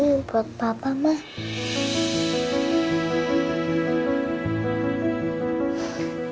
ini buat papa mah